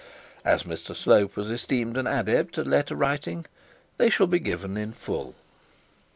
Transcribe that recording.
As Mr Slope was esteemed as an adept at letter writing, they shall be given in full.